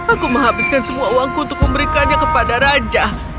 aku menghabiskan semua uangku untuk memberikannya kepada raja